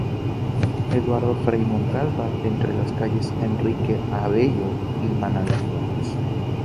Eduardo Frei Montalva entre las calles Enrique Abello y Manantiales.